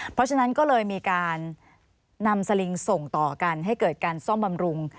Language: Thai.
เพราะฉะนั้นก็เลยมีการนำสลิงส่งต่อกันให้เกิดการซ่อมบำรุง